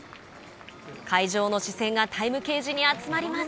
会場の視線がタイム掲示に集まります。